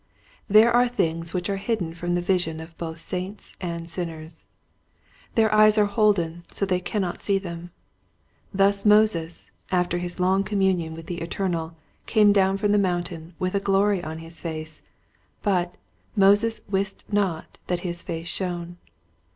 There are things which are hidden from the vision of both saints and sinners. Their eyes are holden so they cannot see them. Thus Moses after his long communion with the Eternal came down from the Mountain with a glory on his face, but "Moses wist not that his face shone."